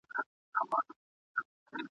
غنم د بزګرانو مهم حاصل دی.